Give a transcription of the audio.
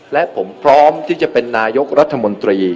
และผมพร้อมที่จะเป็นนายกรัฐมนตรี